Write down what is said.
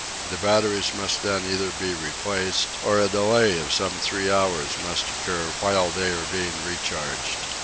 The batteries must then either be replaced, or a delay of some three hours must occur while they are being recharged.